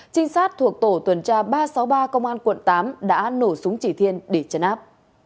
trinh sát thuộc tổ tuần tra ba trăm sáu mươi ba công an quận tám đã nổ súng chỉ thiên để chấn áp